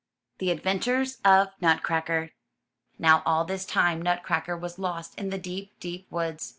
THE ADVENTURES OF NUTCRACKER Now all this time Nutcracker was lost in the deep, deep woods.